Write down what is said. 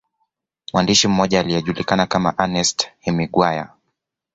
Mwandishi mmoja aliyejulikana kama Ernest Hemingway